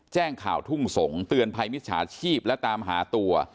แจ้งข่าวทุ่งสงเตือนภัยมิจฉาชีพและตามหาตัว